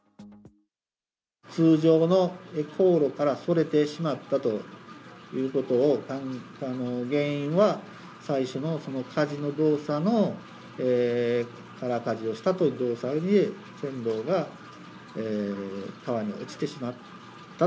通常の航路からそれてしまったということの原因は、最初のそのかじの動作の空かじをしたと船頭が川に落ちてしまった。